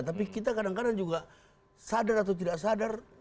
tapi kita kadang kadang juga sadar atau tidak sadar